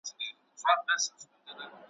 نه به کاڼی پوست سي، نه به غلیم دوست سي `